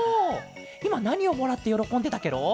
いまなにをもらってよろこんでたケロ？